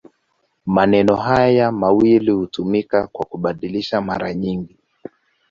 Maneno haya mawili hutumika kwa kubadilishana mara nyingi.